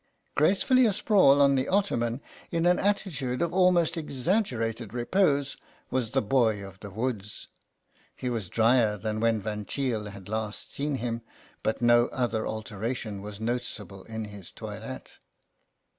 Grace fully asprawl on the ottoman, in an attitude of almost exaggerated repose, was the boy of the woods. He was drier than when Van Cheele had last seen him, but no other alteration was noticeable in his toilet.